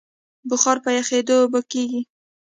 بخار په یخېدو اوبه کېږي.